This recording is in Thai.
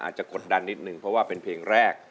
กดดันนิดนึงเพราะว่าเป็นเพลงแรก